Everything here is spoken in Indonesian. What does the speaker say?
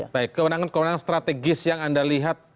baik kewenangan kewenangan strategis yang anda lihat